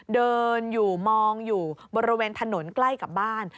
เดินอยู่มองอยู่บริเวณถนนใกล้กับบ้าน